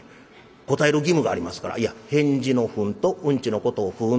答える義務がありますから「いや返事の『ふん』とうんちのことを『糞』っていうでしょ？